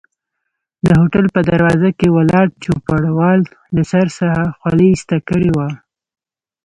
د هوټل په دروازه کې ولاړ چوپړوال له سر څخه خولۍ ایسته کړي وای.